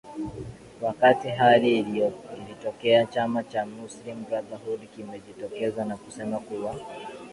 wakati hali ikitokea chama cha muslim brotherhood kimejitokeza na kusema kuwa